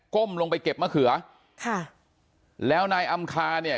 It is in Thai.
้มลงไปเก็บมะเขือค่ะแล้วนายอำคาเนี่ย